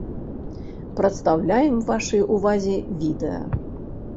Прадстаўляем вашай ўвазе відэа!